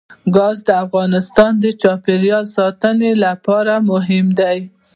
ګاز د افغانستان د چاپیریال ساتنې لپاره مهم دي.